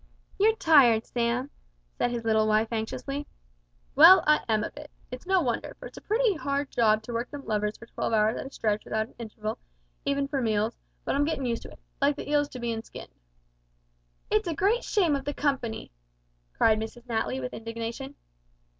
"You're tired, Sam," said his little wife anxiously. "Well, I am a bit. It's no wonder, for it's a pretty hard job to work them levers for twelve hours at a stretch without an interval, even for meals, but I'm gittin' used to it like the eels to bein' skinned." "It's a great shame of the Company," cried Mrs Natly with indignation.